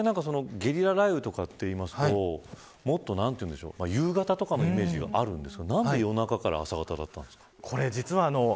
だいたいゲリラ雷雨とかっていいますともっと夕方とかのイメージがあるんですがなんで夜中から朝方だったんですか。